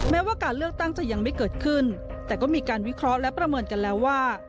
แม้ว่าการเลือกตั้งจะยังไม่เกิดขึ้นแต่ก็มีการวิเคราะห์และประเมินกันแล้วว่า